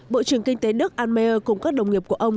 bộ trưởng kinh tế đức ammeier cùng các đồng nghiệp của ông